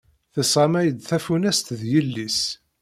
Tesɣamay-d tafunast d yelli-s.